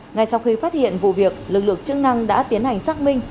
ngay sau khi phát hiện vụ việc lực lượng chức năng đã tiến hành xác minh